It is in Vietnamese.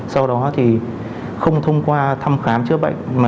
sau đó thì không thông qua thăm khám chữa bệnh